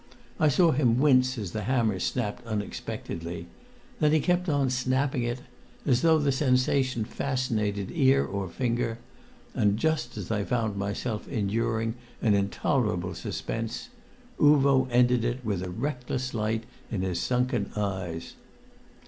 I saw him wince as the hammer snapped unexpectedly; then he kept on snapping it, as though the sensation fascinated ear or finger; and just as I found myself enduring an intolerable suspense, Uvo ended it with a reckless light in his sunken eyes.